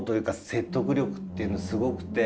説得力っていうのすごくて。